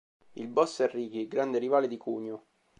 Il boss è Riki, grande rivale di Kunio.